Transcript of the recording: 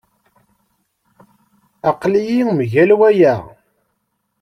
Aql-iyi mgal waya.